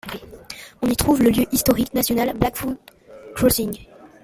On y trouve le lieu historique national Blackfoot Crossing.